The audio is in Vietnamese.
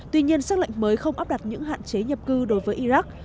tuy nhiên xác lệnh mới không áp đặt những hạn chế nhập cư đối với iraq